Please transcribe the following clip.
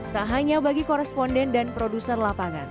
tak hanya bagi koresponden dan produser lapangan